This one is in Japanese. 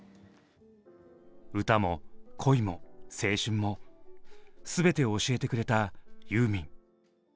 歌も恋も青春も全てを教えてくれたユーミン。